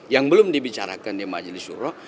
yang belum dibicarakan di majelis suroh